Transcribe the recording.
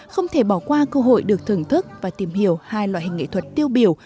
không thể bỏ qua cơ hội được thưởng thức và tìm hiểu hai loại hình nghệ thuật tiêu biểu